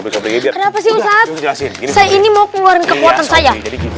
saya ini mau keluarin kekuatan saya